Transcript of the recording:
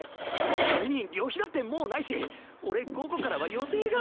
それに旅費だってもうないし俺午後からは予定が。